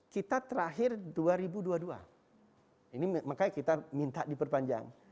kita terakhir dua ribu dua puluh dua ini makanya kita minta diperpanjang